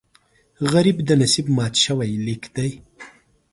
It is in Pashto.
غریب د نصیب مات شوی لیک دی